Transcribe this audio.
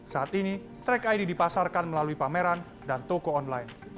saat ini track id dipasarkan melalui pameran dan toko online